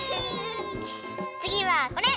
つぎはこれ！